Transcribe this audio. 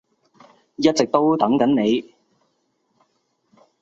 一直都等緊你